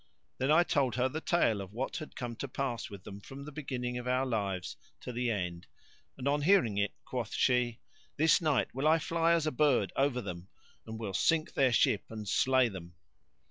Then I told her the tale of what had come to pass with them from the beginning of our lives to the end, and on hearing it quoth she, "This night will I fly as a bird over them and will sink their ship and slay them."